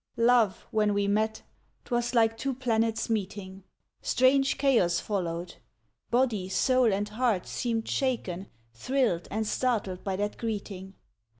Love, when we met, 'twas like two planets meeting. Strange chaos followed; body, soul, and heart Seemed shaken, thrilled, and startled by that greeting.